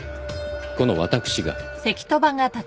この私が。